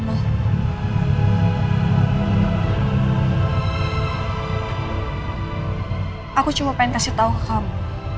aku cuma pengen kasih tahu ke kamu